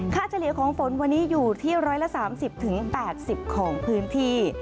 เฉลี่ยของฝนวันนี้อยู่ที่๑๓๐๘๐ของพื้นที่